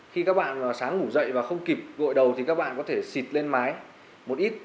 khi các bạn sáng ngủ dậy và không kịp gội đầu thì các bạn có thể xịt lên mái một ít